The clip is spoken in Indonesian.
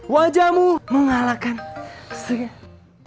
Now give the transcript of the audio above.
wajahmu mengalahkan segala